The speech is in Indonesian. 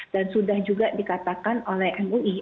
sudah juga dikatakan oleh mui